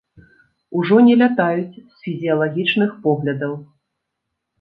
Ужо не лятаюць з фізіялагічных поглядаў.